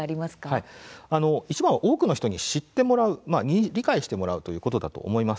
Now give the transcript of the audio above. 多くの人に知ってもらう理解してもらうということも必要だと思います。